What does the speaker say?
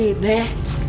yaudah sini yuk